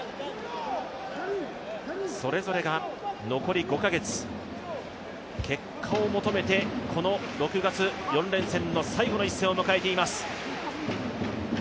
それぞれが残り５カ月、結果を求めて６月、４連戦の最後の１戦を迎えています。